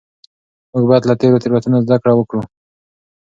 موږ باید له تیرو تېروتنو زده کړه وکړو.